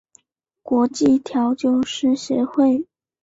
国际调酒师协会